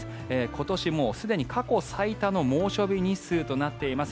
今年もうすでに過去最多の猛暑日日数となっています。